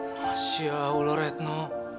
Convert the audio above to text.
mas ya allah retno